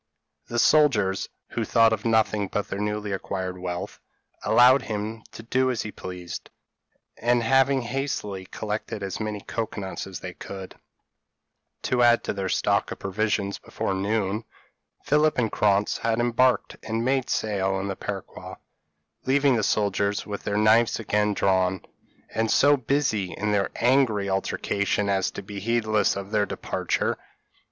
The soldiers, who thought of nothing but their newly acquired wealth, allowed him to do as he pleased; and, having hastily collected as many cocoa nuts as they could, to add to their stock of provisions, before noon, Philip and Krantz had embarked and made sail in the peroqua, leaving the soldiers with their knives again drawn, and so busy in their angry altercation as to be heedless of their departure.